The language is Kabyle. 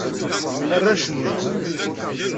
Arrac-nni.